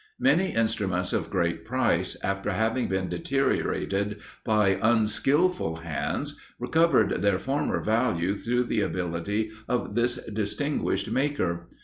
Many instruments of great price, after having been deteriorated by unskilful hands, recovered their former value through the ability of this distinguished maker.